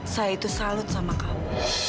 saya itu salut sama kamu